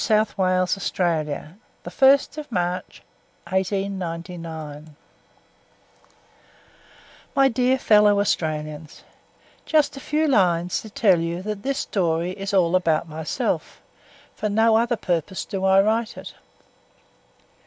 S. Wales, Australia, 1st March, 1899_ MY DEAR FELLOW AUSTRALIANS, _Just a few lines to tell you that this story is all about myself for no other purpose do I write it.